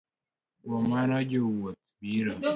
Kuom mano jowuoth biro